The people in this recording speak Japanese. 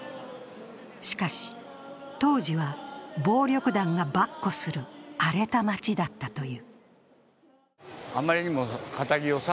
しかし当時は、暴力団がばっこする荒れた街だったという。